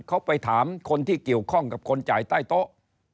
เขาไปถามคนที่เกี่ยวข้องกับคนจ่ายใต้โต๊ะ